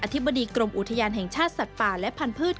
ธิบดีกรมอุทยานแห่งชาติสัตว์ป่าและพันธุ์